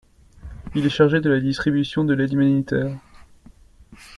Il est chargé de la distribution de l'aide humanitaire.